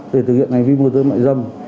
để thực hiện hành vi mua dưới mại dâm